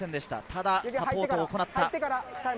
ただサポートを行った。